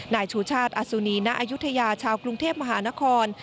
นายชูชาติอสุนีณอายุทยาชาวกรุงเทพมหานคร